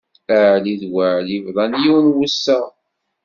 Ɛli d Weɛli bḍan yiwen wassaɣ.